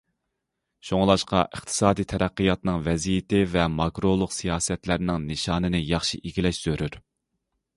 شۇڭلاشقا، ئىقتىسادىي تەرەققىياتنىڭ ۋەزىيىتى ۋە ماكرولۇق سىياسەتلەرنىڭ نىشانىنى ياخشى ئىگىلەش زۆرۈر.